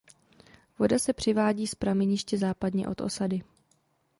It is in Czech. Voda se přivádí z prameniště západně od osady.